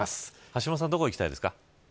橋下さんどこに行きたいですか。